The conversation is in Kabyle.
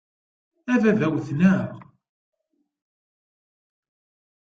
A baba wten-aɣ.